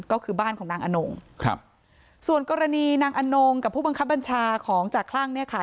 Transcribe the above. ก็คือบ้านของนางอนงครับส่วนกรณีนางอนงกับผู้บังคับบัญชาของจากคลั่งเนี่ยค่ะ